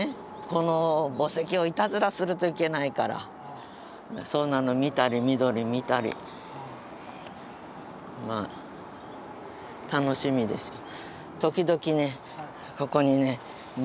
この墓石をいたずらするといけないからそんなの見たり緑見たり楽しみですよ。